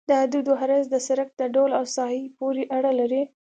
د حدودو عرض د سرک د ډول او ساحې پورې اړه لري